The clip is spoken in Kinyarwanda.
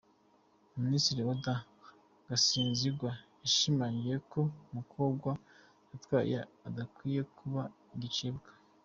Minisitiri Oda Gasinzigwa yashimangiye ko umukobwa watwaye adakwiye kuba igicibwa.